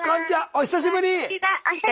久しぶり。